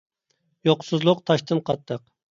يوقسۇزلۇق تاشتىن قاتتىق.